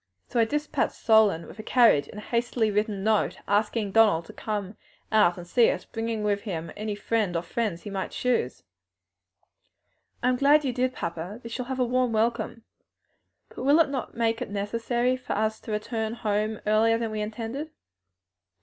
So I dispatched Solon with a carriage and a hastily written note, asking Donald to come out to see us, bringing with him any friend or friends he might choose." "I am glad you did, papa; they shall have a warm welcome. But will it not make it necessary for us to return home earlier than we intended?"